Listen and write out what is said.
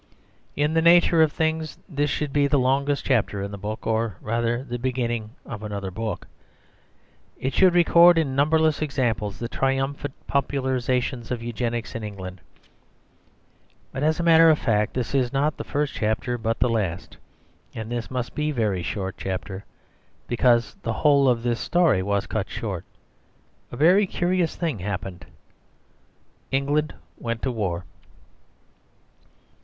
In the nature of things, this should be the longest chapter in the book, or rather the beginning of another book. It should record, in numberless examples, the triumphant popularisation of Eugenics in England. But as a matter of fact this is not the first chapter but the last. And this must be a very short chapter, because the whole of this story was cut short. A very curious thing happened. England went to war.